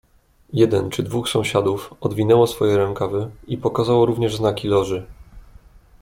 "Jeden czy dwóch sąsiadów odwinęło swoje rękawy i pokazało również znaki Loży."